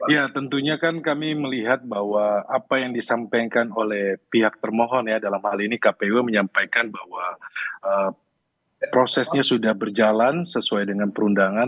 ya tentunya kan kami melihat bahwa apa yang disampaikan oleh pihak termohon ya dalam hal ini kpu menyampaikan bahwa prosesnya sudah berjalan sesuai dengan perundangan